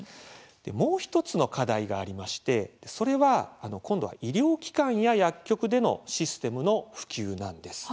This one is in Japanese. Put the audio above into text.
もう１つの課題がありましてそれは今度は医療機関や薬局でのシステムの普及なんです。